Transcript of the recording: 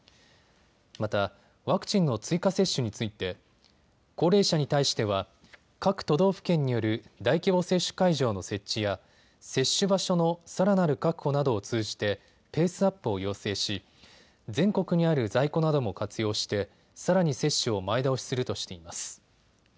また、ワクチンの追加接種について高齢者に対しては各都道府県による大規模接種会場の設置や接種場所のさらなる確保などを通じてペースアップを要請し全国にある在庫なども活用してさらに接種を前倒しするとしています。